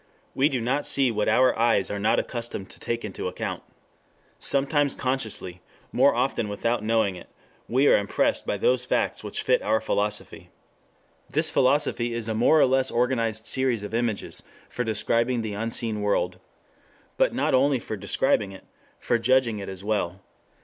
We do not see what our eyes are not accustomed to take into account. Sometimes consciously, more often without knowing it, we are impressed by those facts which fit our philosophy. 3 This philosophy is a more or less organized series of images for describing the unseen world. But not only for describing it. For judging it as well.